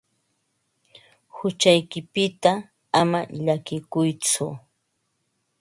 Huchaykipita ama llakikuytsu.